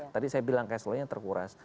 tadi saya bilang cash flow nya terkuras